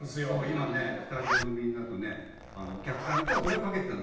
今スタジオのみんなとお客さんとそれを賭けてたの。